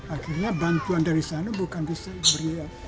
akhirnya bantuan dari sana bukan dari saya